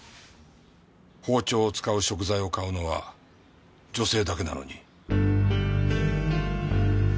包丁を使う食材を買うのは女性だけなのに？